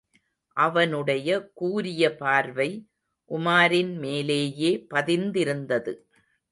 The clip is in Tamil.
அவனுடைய கூரிய பார்வை உமாரின் மேலேயே பதிந்திருந்தது.